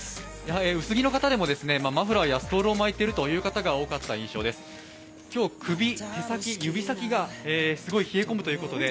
薄着の方でもマフラーやストールを巻いているといった印象が多いです。